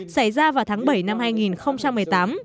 xảy ra vào tháng bảy năm hai nghìn một mươi tám